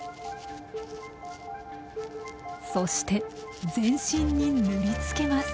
そして全身に塗りつけます。